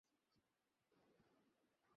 আমার মস্তিষ্কের সুস্থতা সম্বন্ধেও প্রশ্ন উঠেছে।